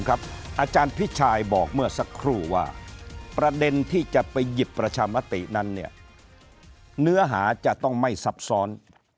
อาจารย์พิชัยบอกเมื่อสักครู่ว่าประเด็นที่จะไปหยิบประชามตินั้นเนื้อหาจะต้องไม่ซับซ้อน